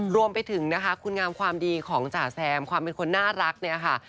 รวมไปถึงนะคะคุณงามความดีของจ๋าแซมความเป็นคนน่ารักเนี่ยค่ะ